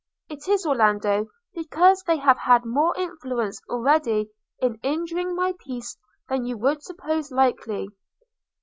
It is, Orlando, because they have had more influence already in injuring my peace than you would suppose likely.